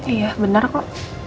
iya bener kok